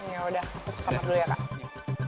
yaudah aku ke kamar dulu ya kak